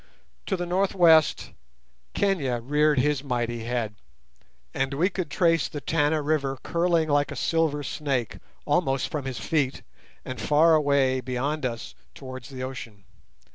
To the northwest, Kenia reared his mighty head, and we could trace the Tana river curling like a silver snake almost from his feet, and far away beyond us towards the ocean.